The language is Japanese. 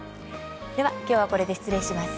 では、きょうはこれで失礼します。